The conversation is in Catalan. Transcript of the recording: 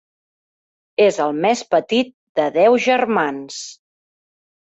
És el més petit de deu germans.